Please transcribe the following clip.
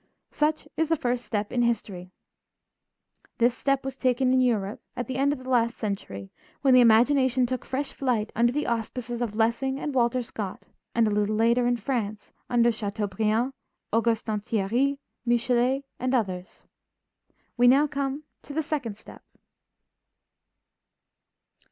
Such is the first step in history. This step was taken in Europe at the end of the last century when the imagination took fresh flight under the auspices of Lessing and Walter Scott, and a little later in France under Chateaubriand, Augustin Thierry, Michelet, and others. We now come to the second step.